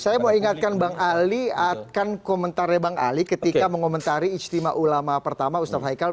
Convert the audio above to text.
saya mau ingatkan bang ali akan komentarnya bang ali ketika mengomentari istimewa ulama pertama ustadz haikal